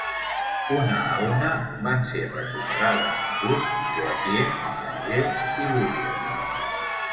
Una a una van ser recuperades Tours, Poitiers, Angers i Bourges.